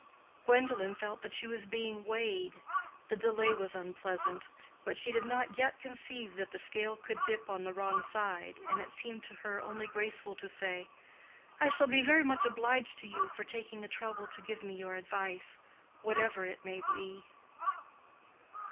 Gwendolen felt that she was being weighed. The delay was unpleasant. But she did not yet conceive that the scale could dip on the wrong side, and it seemed to her only graceful to say, "I shall be very much obliged to you for taking the trouble to give me your advice, whatever it maybe."